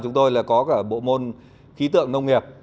chúng tôi là có cả bộ môn khí tượng nông nghiệp